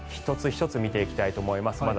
１つ１つ見ていきたいと思います。